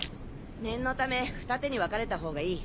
念のためふた手に分かれたほうがいい。